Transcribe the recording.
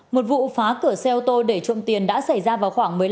một vụ phá cửa xe ô tô để trộm tiền đã xảy ra vào khoảng một mươi năm